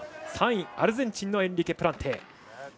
３位、アルゼンチンのエンリケ・プランテイ。